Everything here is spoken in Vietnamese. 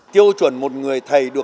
tiêu chuẩn một người thầy được